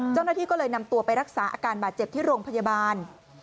เจ้าหน้าที่ก็เลยนำตัวไปรักษาอาการบาดเจ็บที่โรงพยาบาล